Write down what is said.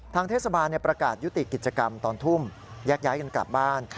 เทศบาลประกาศยุติกิจกรรมตอนทุ่มแยกย้ายกันกลับบ้าน